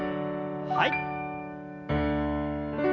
はい。